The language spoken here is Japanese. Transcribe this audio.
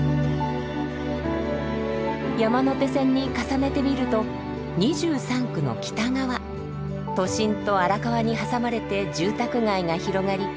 山手線に重ねてみると２３区の北側都心と荒川に挟まれて住宅街が広がり